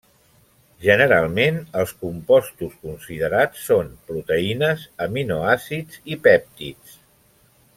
Generalment els compostos considerats són proteïnes, aminoàcids i pèptids.